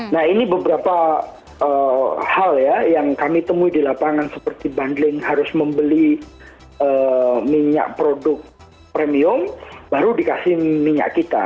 nah ini beberapa hal ya yang kami temui di lapangan seperti bundling harus membeli minyak produk premium baru dikasih minyak kita